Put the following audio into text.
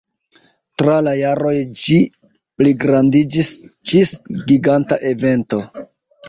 Tra la jaroj ĝi pligrandiĝis ĝis giganta evento.